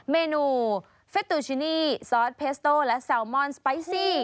เมนูเฟสตูชินีซอสเพสโต้และแซลมอนสไปซี่